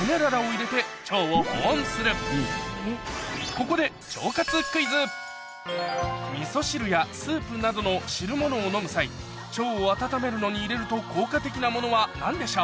ここでみそ汁やスープなどの汁物を飲む際腸を温めるのに入れると効果的なものは何でしょう？